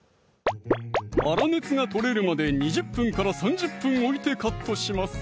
粗熱が取れるまで２０分から３０分置いてカットします